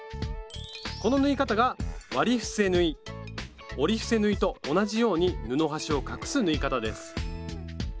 この縫い方が折り伏せ縫いと同じように布端を隠す縫い方です。